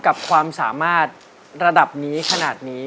กับความสามารถระดับนี้ขนาดนี้